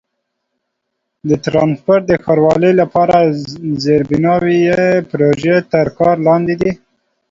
د ترانسپورت د ښه والي لپاره زیربنایي پروژې تر کار لاندې دي.